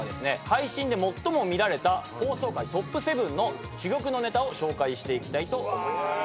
配信で最も見られた放送回ＴＯＰ７の珠玉のネタを紹介していきたいと思います。